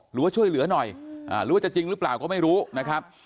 หรือว่าช่วยเหลือหน่อยหรือว่าจะจริงหรือเปล่าก็ไม่รู้นะครับ